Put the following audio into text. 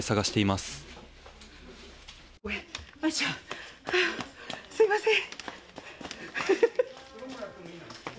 すみません。